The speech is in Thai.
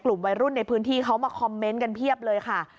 กลุ่มวัยรุ่นในพื้นที่เขามาคอมเมนต์กันเพียบเลยค่ะ